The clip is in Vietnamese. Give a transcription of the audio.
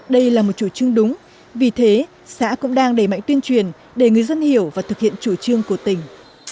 đây là một chủ trương đúng vì thế xã cũng đang đẩy mạnh tuyên truyền để người dân hiểu và thực hiện chủ trương của tỉnh